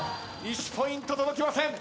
１ポイント届きません。